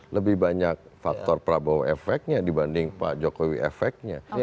lebih banyak faktor prabowo efeknya dibanding pak jokowi efeknya